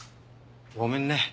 ごめんね。